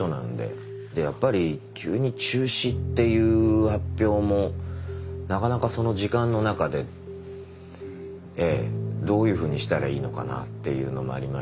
やっぱり急に中止っていう発表もなかなかその時間の中でどういうふうにしたらいいのかなっていうのもありましたし。